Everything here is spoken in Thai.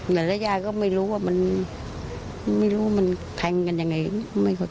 แล้วยายก็ไม่รู้ว่ามันไม่รู้มันแทงกันยังไง